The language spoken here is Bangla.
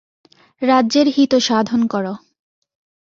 রাজ্যের হিতসাধন করো।